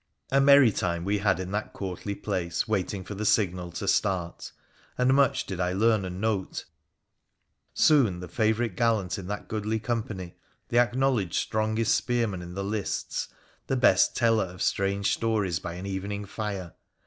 A merry time we had in that courtly place waiting for the signal to start ; and much did I learn and note — soon the favourite gallant in that goodly company, the acknowledged strongest spearman in the lists, the best teller of strange stories by an evening fire